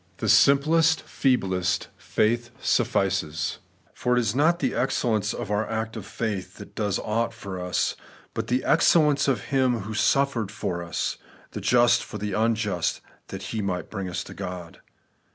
The sim plest, feeblest faith snfl&ces ; for it is not the excel lence of our act of faith that does aught for us, but the excellence of Him who suffered for sin, the just for the unjust, that He might bring us to God.